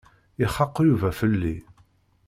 Ixaq Yuba fell-i.